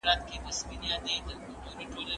زه بايد سينه سپين وکړم!